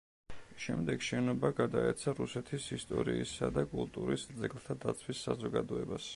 შემდეგ შენობა გადაეცა რუსეთის ისტორიისა და კულტურის ძეგლთა დაცვის საზოგადოებას.